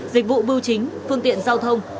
dịch vụ bưu chính phương tiện giao thông